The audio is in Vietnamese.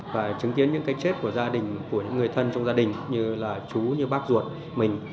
và chứng kiến những cái chết của gia đình của những người thân trong gia đình như là chú như bác ruột mình